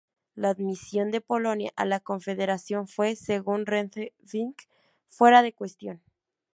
La admisión de Polonia a la Confederación fue, según Renthe-Fink, fuera de cuestión.